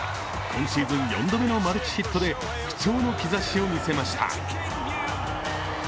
今シーズン４度目のマルチヒットで復調の兆しを見せました。